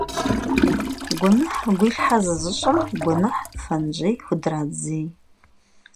Guenıh gulhe zêzışşem guenıh fenşşêy xudradzêy.